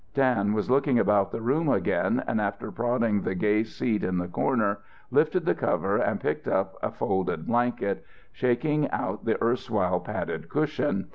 Dan was looking about the room again and after prodding the gay seat in the corner, lifted the cover and picked up a folded blanket, shaking out the erstwhile padded cushion.